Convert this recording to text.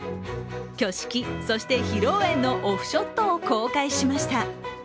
挙式、そして披露宴のオフショットを公開しました。